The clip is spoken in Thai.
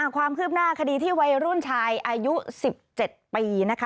ความคืบหน้าคดีที่วัยรุ่นชายอายุ๑๗ปีนะคะ